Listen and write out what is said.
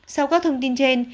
sau các thông tin trên